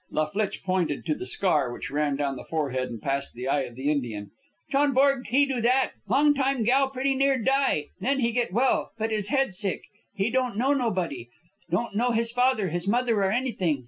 La Flitche pointed to the scar which ran down the forehead and past the eye of the Indian. "John Borg he do that." "Long time Gow pretty near die. Then he get well, but his head sick. He don't know nobody. Don't know his father, his mother, or anything.